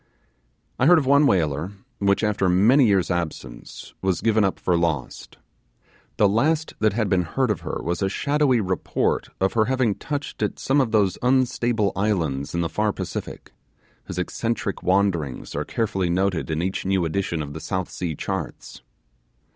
I heard of one whaler, which after many years' absence was given up for lost. The last that had been heard of her was a shadowy report of her having touched at some of those unstable islands in the far Pacific, whose eccentric wanderings are carefully noted in each new edition of the South Sea charts.